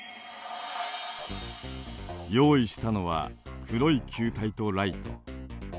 用意したのは黒い球体とライト。